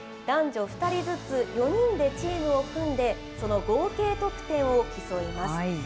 男女２人ずつ４人でチームを組んで、その合計得点を競います。